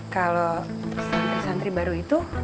kalau santri santri baru itu